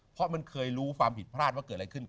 เพราะมันเคยรู้ความผิดพลาดว่าเกิดอะไรขึ้น